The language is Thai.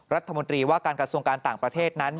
รัฐมนตรีว่าการกระทรวงการต่างประเทศนั้น